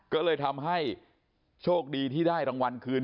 ก็เลยทำให้โชคดีที่ได้รางวัลคืน